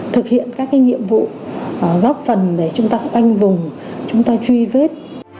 thực hiện các nhiệm vụ góp phần để chúng ta khoanh vùng chúng ta truy vết